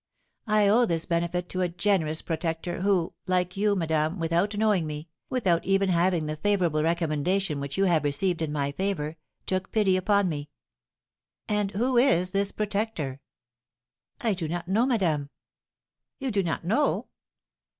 I owe this benefit to a generous protector, who, like you, madame, without knowing me, without even having the favourable recommendation which you have received in my favour, took pity upon me " "And who is this protector?" "I do not know, madame." "You do not know?"